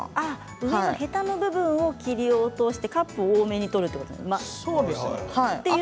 上のヘタの部分を切り落としてカップを多めに取るということですかね。